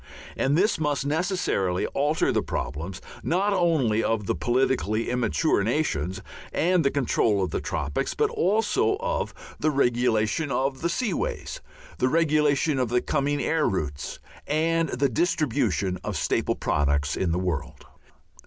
And this must necessarily alter the problems not only of the politically immature nations and the control of the tropics, but also of the regulation of the sea ways, the regulation of the coming air routes, and the distribution of staple products in the world.